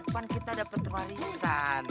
depan kita dapat warisan